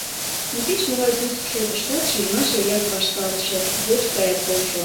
Но кеч-могай тӱс шотыштат шижмаш эреак вашталтше: вошт гаяк койшо.